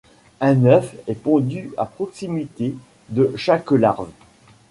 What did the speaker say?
Un œuf est pondu à proximité de chaque larve.